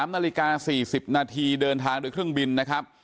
๓นาฬิกา๔๐นาทีเดินทางโดยเครื่องบินนะครับ